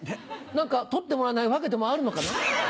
何か取ってもらえない訳でもあるのかな？